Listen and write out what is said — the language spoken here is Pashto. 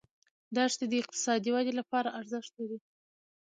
دښتې د اقتصادي ودې لپاره ارزښت لري.